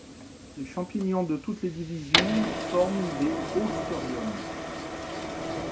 Les champignons de toutes les divisions forment des haustoriums.